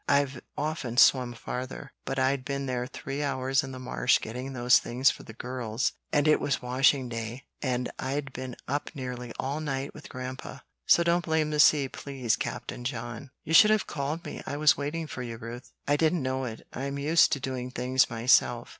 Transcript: I've often swum farther; but I'd been three hours in the marsh getting those things for the girls, and it was washing day, and I'd been up nearly all night with Grandpa; so don't blame the sea, please, Captain John." "You should have called me; I was waiting for you, Ruth." "I didn't know it. I'm used to doing things myself.